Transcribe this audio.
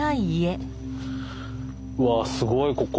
うわすごいここ。